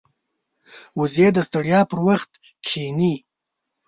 وزې د ستړیا پر وخت کښیني